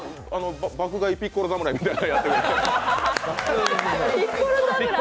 爆買いピッコロ侍みたいなのやってたから。